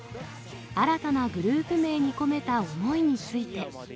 新たなグループ名に込めた思いについて。